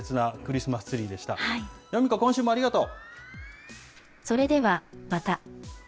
ヨミ子、今週もありがとう。